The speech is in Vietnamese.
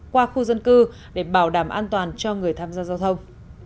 qua khu dân cư để bảo đảm an toàn cho người tham gia giao thông